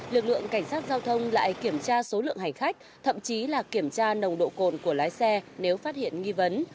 lực lượng cảnh sát giao thông lại kiểm tra số lượng hành khách thậm chí là kiểm tra nồng độ cồn của lái xe nếu phát hiện nghi vấn